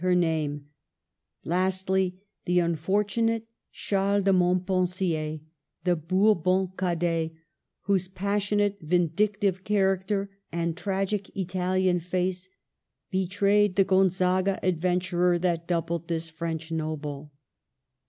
23 her name ; lastly, the unfortunate Charles de Montpensier, the Bourbon cadet, whose pas sionate, vindictive character and tragic Italian face betrayed the Gonzaga adventurer that doubled this French noble.